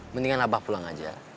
mendingan abah pulang aja